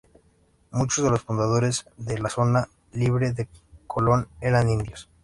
Muchos de los fundadores de la Zona Libre de Colón eran indios.